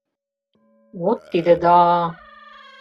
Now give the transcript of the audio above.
— Вот тиде да-а!